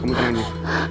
kamu tenang ya